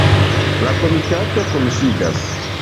La komitato kunsidas.